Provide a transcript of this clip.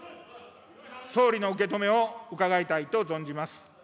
総理の受け止めを伺いたいと存じます。